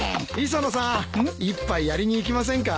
磯野さん１杯やりに行きませんか？